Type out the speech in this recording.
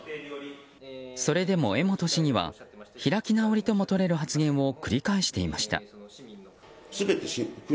それでも江本市議は開き直りともとれる発言を繰り返していました。